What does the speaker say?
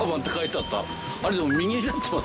あれでも。